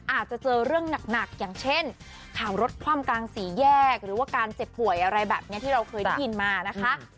อาจจะเจอเรื่องหนักอย่างเช่นขับรถคว่ำกลางสี่แยกหรือว่าการเจ็บป่วยอะไรแบบนี้ที่เราเคยได้ยินมานะคะ